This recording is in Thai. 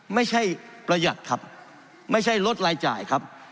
ประหยัดครับไม่ใช่ลดรายจ่ายครับ